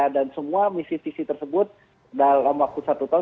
dan semua misi visi tersebut dalam waktu satu tahun